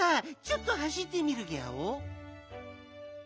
ちょっとはしってみるギャオ。